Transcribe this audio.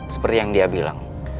seperti yang dia bilang